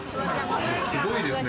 すごいですね。